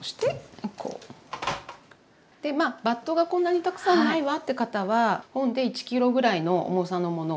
バットがこんなにたくさんないわって方は本で１ｋｇぐらいの重さのもの